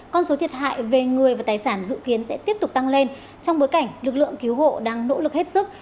con số thiệt hại về người và tài sản dự kiến sẽ tiếp tục tăng lên trong bối cảnh lực lượng cứu hộ đang nỗ lực hết sức